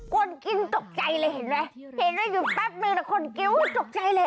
คนกินตกใจเลยเห็นไหมเห็นแล้วอยู่แป๊บนึงแต่คนกิ๊วตกใจเลย